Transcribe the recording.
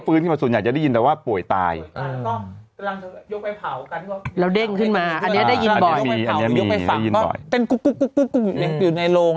พื้นมาส่วนใหญ่จะได้ยินว่าป่วยตายแล้วเด้งขึ้นมาอันนี้ได้ยินบ่อยอยู่ในโรง